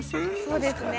そうですね。